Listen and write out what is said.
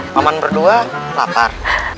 paman berdua lapar